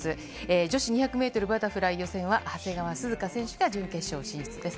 女子２００メートルバタフライ予選は長谷川涼香選手が準決勝進出です。